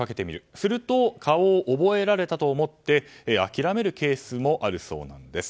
すると、顔を覚えられたと思って諦めるケースもあるそうなんです。